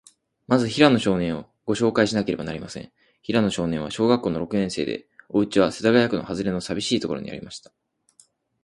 まず、平野少年を、ごしょうかいしなければなりません。平野少年は、小学校の六年生で、おうちは、世田谷区のはずれの、さびしいところにありました。